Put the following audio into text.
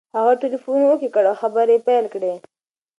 هغه ټلیفون اوکې کړ او خبرې یې پیل کړې.